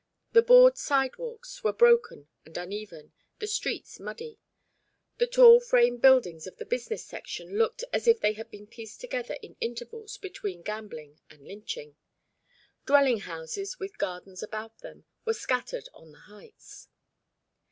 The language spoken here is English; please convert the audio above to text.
The board sidewalks were broken and uneven, the streets muddy. The tall frame buildings of the business section looked as if they had been pieced together in intervals between gambling and lynching. Dwelling houses with gardens about them were scattered on the heights.